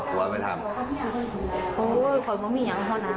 ขื่อผู้ตาย